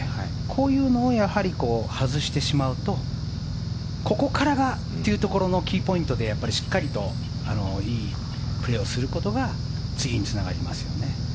こういうのを外してしまうとここからがというところのキーポイントでしっかりといいプレーをすることが次につながりますよね。